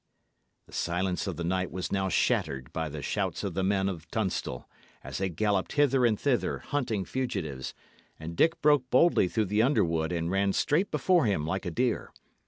The silence of the night was now shattered by the shouts of the men of Tunstall, as they galloped hither and thither, hunting fugitives; and Dick broke boldly through the underwood and ran straight before him like a deer.